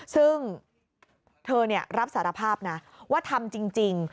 ซึ่งเธอรับสารภาพนะว่าทำจริง